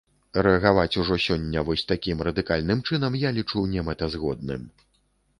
Рэагаваць ужо сёння вось такім радыкальным чынам я лічу немэтазгодным.